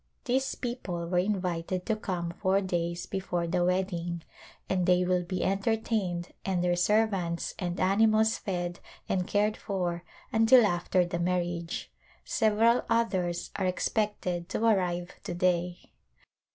These people were in vited to come four days before the wedding and they will be entertained and their servants and animals fed and cared for until after the marriage. Several others are expected to arrive to day.